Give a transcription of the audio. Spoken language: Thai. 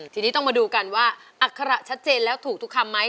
ทีนี้ต้องมาดูกันว่าอัคระชัดเจนแล้วถูกทุกคำไหม